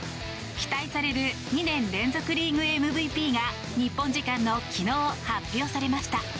期待される２年連続リーグＭＶＰが日本時間の昨日発表されました。